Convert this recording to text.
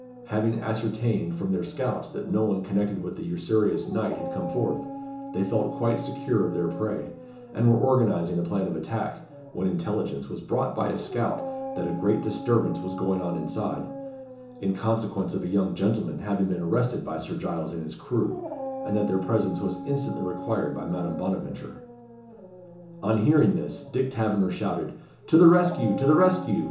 Having ascertained, from their scouts, that no one connected with the usurious knight had come forth, they felt quite secure of their prey, and were organising a plan of attack, when intelligence was brought by a scout that a great disturbance was going on inside, in consequence of a young gentleman having been arrested by Sir Giles and his crew, and that their presence was instantly required by Madame Bonaventure. On hearing this, Dick Taverner shouted "To the rescue! to the rescue!"